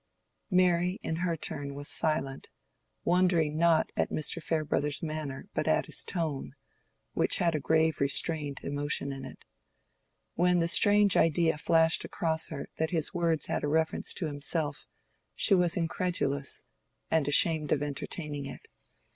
Mary in her turn was silent, wondering not at Mr. Farebrother's manner but at his tone, which had a grave restrained emotion in it. When the strange idea flashed across her that his words had reference to himself, she was incredulous, and ashamed of entertaining it.